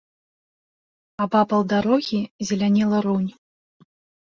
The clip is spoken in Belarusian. Абапал дарогі зелянела рунь.